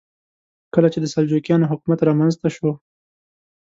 کله چې د سلجوقیانو حکومت رامنځته شو.